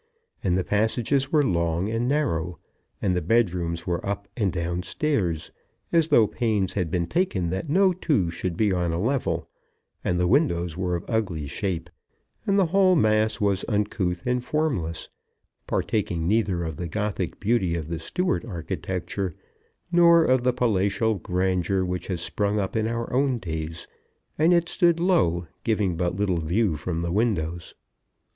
and the passages were long and narrow, and the bedrooms were up and down stairs, as though pains had been taken that no two should be on a level; and the windows were of ugly shape, and the whole mass was uncouth and formless, partaking neither of the Gothic beauty of the Stuart architecture, nor of the palatial grandeur which has sprung up in our days; and it stood low, giving but little view from the windows.